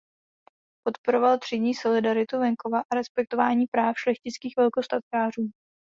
Podporoval třídní solidaritu venkova a respektování práv šlechtických velkostatkářů.